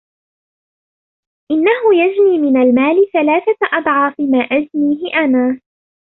انه يجني من المال ثلاثة اضعاف ما اجنيه انا.